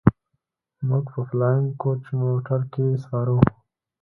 موږ په فلاينګ کوچ موټر کښې سپاره سو.